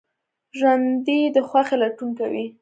ژوندي د خوښۍ لټون کوي